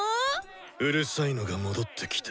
うるさいのが戻ってきた。